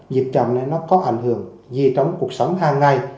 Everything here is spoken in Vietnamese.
nhiệp chậm này nó có ảnh hưởng gì trong cuộc sống hàng ngày